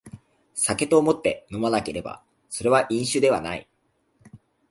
酒と思って飲まなければそれは飲酒ではない